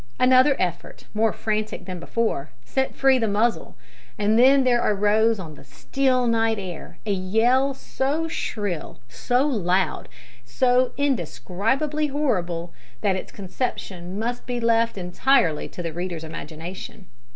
Another effort, more frantic than before, set free the muzzle, and then there arose on the still night air a yell so shrill, so loud, so indescribably horrible, that its conception must be left entirely to the reader's imagination.